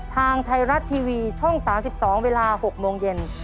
ทางไทยรัฐทีวีช่อง๓๒เวลา๖โมงเย็น